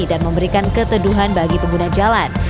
dan memberikan keteduhan bagi pengguna jalan